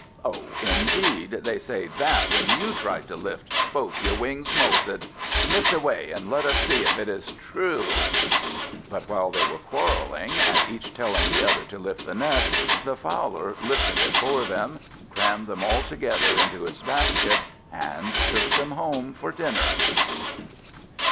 "Oh, indeed! They say that when you tried to lift, both your wings moulted! Lift away, and let us see if it is true!" But while they were quarrelling, and each telling the other to lift the net, the Fowler lifted it for them, and crammed them all together into his basket, and took them home for supper.